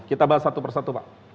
kita bahas satu persatu pak